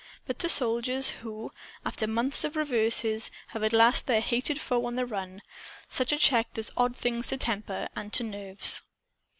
But to soldiers who, after months of reverses, at last have their hated foe on the run, such a check does odd things to temper and to nerves.